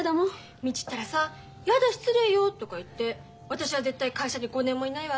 ミチったらさやだ失礼よとか言って私は絶対会社に５年もいないわってバカにしてんのよね。